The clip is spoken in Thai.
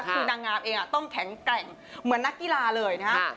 คือนางงามเองต้องแข็งแกร่งเหมือนนักกีฬาเลยนะครับ